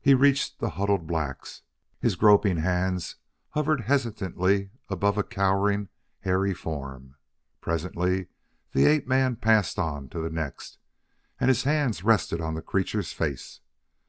He reached the huddled blacks; his groping hands hovered hesitantly above a cowering, hairy form. Presently the ape man passed on to the next, and his hands rested on the creature's face.